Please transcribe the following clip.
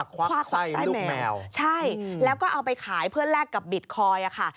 คว้าขวัญไส้แมวใช่แล้วก็เอาไปขายเพื่อแลกกับบิตคอยค่ะ